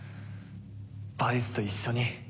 バイスと一緒に。